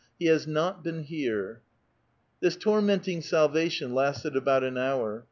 he has not been here !" This tormenting salvation lasted about an hour.